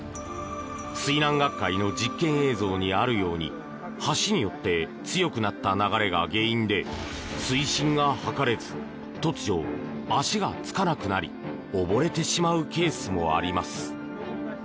水難学会の実験映像にあるように橋によって強くなった流れが原因で、水深が測れず突然、足がつかなくなり溺れてしまうケースもあります。